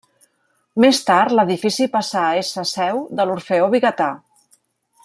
Més tard l'edifici passà a ésser seu de l'orfeó Vigatà.